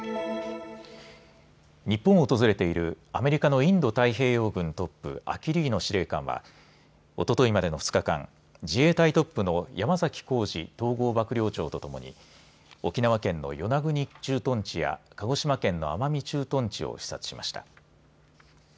日本を訪れているアメリカのインド太平洋軍トップアキリーノ司令官はおとといまでの２日間、自衛隊トップの山崎幸二統合幕僚長と共に沖縄県の与那国駐屯地や鹿児島県の奄美駐屯地を視察しました。